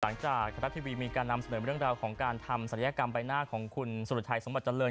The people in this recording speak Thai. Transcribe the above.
ธนัดทีวีมีการนำเสนอเรื่องราวของการทำศัลยกรรมใบหน้าของคุณสุรชัยสมบัติเจริญ